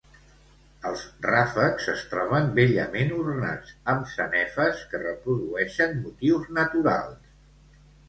Els ràfecs es troben bellament ornats amb sanefes que reprodueixen motius naturals.